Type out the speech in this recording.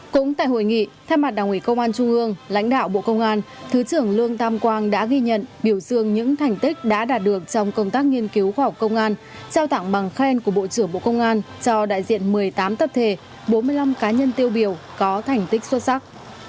cũng tại hội nghị thay mặt đảng ủy công an trung ương lãnh đạo bộ công an thứ trưởng lương tam quang đã ghi nhận biểu dương những thành tích đã đạt được trong công tác nghiên cứu khoa học công an trao tặng bằng khen của bộ trưởng bộ công an cho đại diện một mươi tám tập thể bốn mươi năm cá nhân tiêu biểu có thành tích xuất sắc